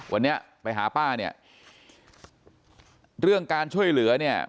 วันนี้ไปหาป้าเนี่ยเรื่องการช่วยเหลือเนี่ย